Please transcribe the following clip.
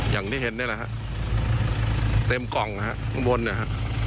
อย่างที่เห็นได้หรอครับเต็มกล่องฮะข้างบนนะฮะ